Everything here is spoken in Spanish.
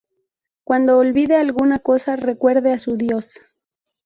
Cuando olvide alguna cosa, recuerde a su Dios".